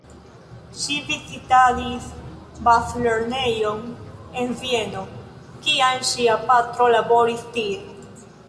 Ŝi vizitadis bazlernejon en Vieno, kiam ŝia patro laboris tie.